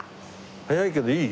早いけどいい？